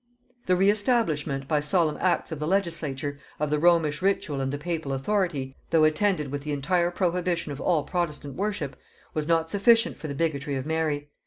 The reestablishment, by solemn acts of the legislature, of the Romish ritual and the papal authority, though attended with the entire prohibition of all protestant worship, was not sufficient for the bigotry of Mary.